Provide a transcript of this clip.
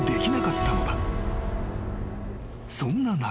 ［そんな中］